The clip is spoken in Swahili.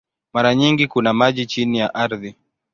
Mara nyingi kuna maji chini ya ardhi.